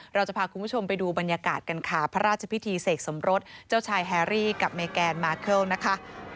เราจะพาคุณผู้ชมไปดูบรรยากาศกันค่ะพระราชพิธีเสกสมรสเจ้าชายแฮรี่กับเมแกนมาร์เคิลนะคะ